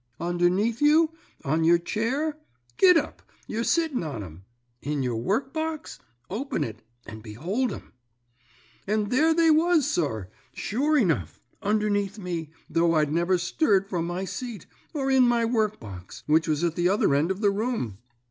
'Underneath you, on your chair? Git up; you're sitting on 'em. In your workbox? Open it and behold 'em.' "And there they was, sir, sure enough, underneath me, though I'd never stirred from my seat, or in my workbox, which was at the other end of the room.